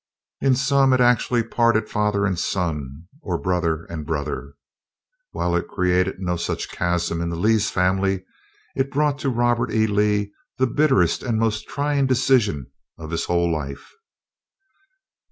In some it actually parted father and son, or brother and brother. While it created no such chasm in the Lee family, it brought to Robert E. Lee the bitterest and most trying decision of his whole life.